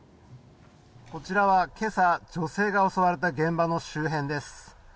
こちらは今朝女性が襲われた現場の周辺です。